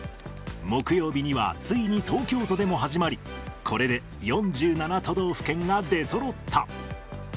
木曜日にはついに東京都でも始まり、これで４７都道府県が出そろった。